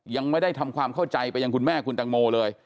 ยังไม่ได้ทำความเข้าใจไปยังคุณแม่คุณตังโมเลย